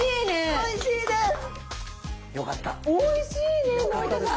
おいしいね森田さん！